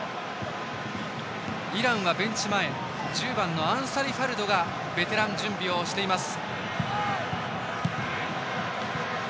イランはベンチ前１０番のアンサリファルドがベテラン、準備をしています。